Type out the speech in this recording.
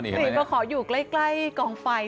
ปกติก็ขออยู่ใกล้กองไฟ